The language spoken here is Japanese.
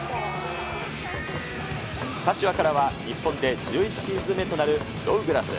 柏からは、日本で１１シーズン目となるドウグラス。